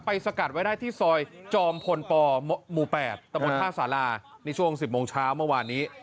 สกัดไว้ได้ที่ซอยจอมพลปหมู่๘ตะบนท่าสารานี่ช่วง๑๐โมงเช้าเมื่อวานนี้